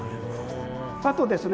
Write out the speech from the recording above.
あとですね